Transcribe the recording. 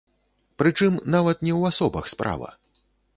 Прычым нават не ў асобах справа.